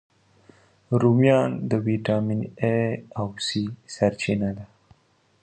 رومیان د ویټامین A، C سرچینه ده